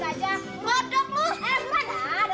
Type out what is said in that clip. enggak mau kekit